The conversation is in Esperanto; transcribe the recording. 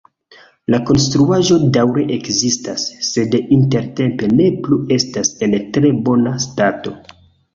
La konstruaĵo daŭre ekzistas, sed intertempe ne plu estas en tre bona stato.